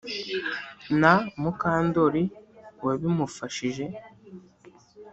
Na Mukandoli wabimufashije